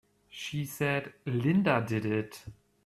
She said Linda did it!